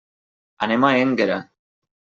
Anem a Énguera.